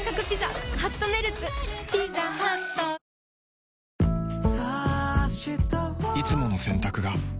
「ビオレ」いつもの洗濯が